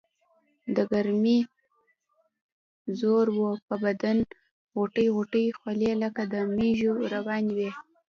دګرمۍ زور وو پۀ بدن غوټۍ غوټۍ خولې لکه د مېږو روانې وي ـ